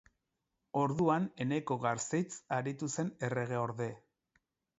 Orduan Eneko Garzeitz aritu zen erregeorde.